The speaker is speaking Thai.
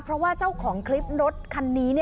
เพราะว่าเจ้าของคลิปรถคันนี้